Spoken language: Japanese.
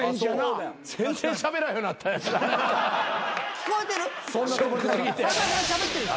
聞こえてる？